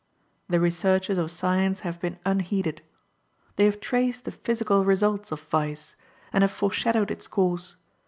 The researches of science have been unheeded. They have traced the physical results of vice, and have foreshadowed its course.